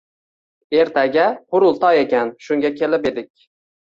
Ertaga qurultoy ekan, shunga kelib edik.